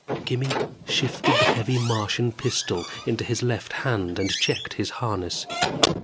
Kimmy shifted the heavy Martian pistol into his left hand and checked his harness.